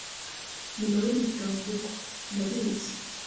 Ni mabi bitavugwa ndabizi